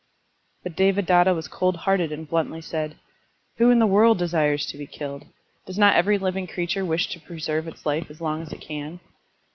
But Devadatta was cold hearted and blimtly said, "Who in the world desires to be killed? Does not every living creature wish to preserve its life as long as it can?